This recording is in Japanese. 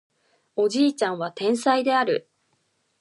おじいちゃんは天才である